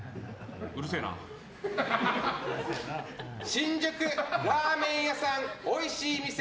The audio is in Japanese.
新宿、ラーメン屋さんおいしい店。